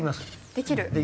できる？